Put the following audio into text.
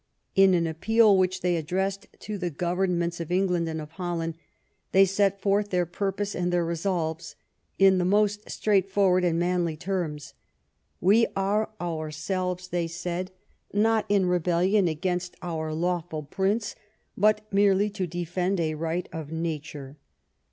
In an appeal which they addressed to the governments of England and of Hol land they set forth their purposes and their resolves in the most straightforward and manly terms. "We are ourselves," they said, " not in rebellion against our lawful prince, but merely to defend a right of nature.